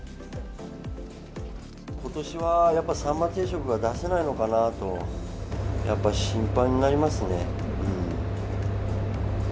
ことしは、やっぱサンマ定食が出せないのかなと、やっぱ心配になりますね。